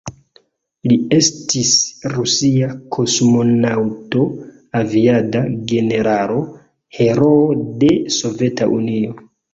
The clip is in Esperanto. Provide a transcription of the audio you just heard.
Li estis rusia kosmonaŭto, aviada generalo, heroo de Soveta Unio.